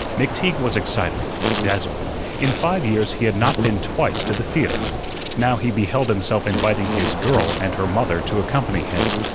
McTeague was excited, dazzled. In five years he had not been twice to the theatre. Now he beheld himself inviting his "girl" and her mother to accompany him.